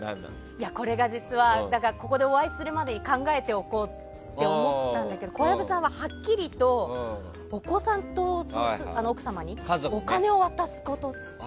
これが実はここでお会いするまでに考えておこうと思ったんだけど小籔さんは、はっきりとお子さんと奥様にお金を渡すことって。